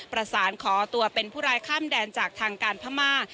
ประสานขอตัวเป็นผู้ร้ายข้ามแดนจากทางการพม่า